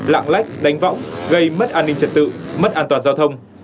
lạng lách đánh võng gây mất an ninh trật tự mất an toàn giao thông